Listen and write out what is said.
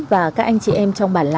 và các anh chị em